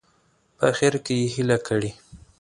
په اخره کې یې هیله کړې.